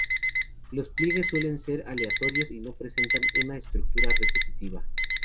Los pliegues suelen ser aleatorios y no presentan una estructura repetitiva.